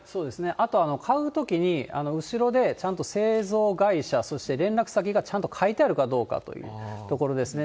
あと、買うときに後ろにちゃんと製造会社、そして連絡先がちゃんと書いてあるかどうかというところですね。